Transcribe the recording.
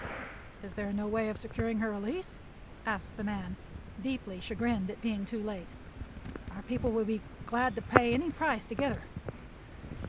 "Is there no way of securing her release?" asked the man, deeply chagrined at being too late. "Our people will be glad to pay any price to get her."